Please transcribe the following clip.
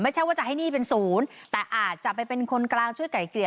ไม่ใช่ว่าจะให้หนี้เป็นศูนย์แต่อาจจะไปเป็นคนกลางช่วยไก่เกลี่ย